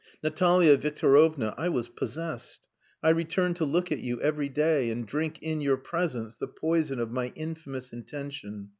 Natalia Victorovna, I was possessed! I returned to look at you every day, and drink in your presence the poison of my infamous intention.